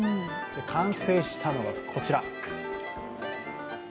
完成したのが、こちら。